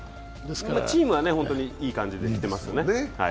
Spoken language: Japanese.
チームは本当にいい感じできていますよね。